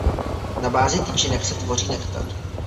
Na bázi tyčinek se tvoří nektar.